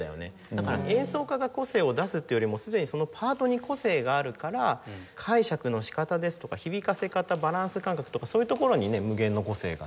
だから演奏家が個性を出すっていうよりもすでにそのパートに個性があるから解釈の仕方ですとか響かせ方バランス感覚とかそういうところにね無限の個性がね出てくるような感じがするけれども。